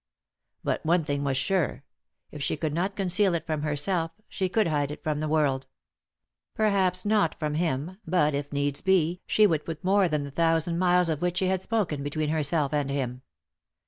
But one thing was sure — if she could not conceal it from herself she could hide it from the world. Perhaps not from him, but, if needs be, she would put more than the thousand miles of which she had spoken between herself and him.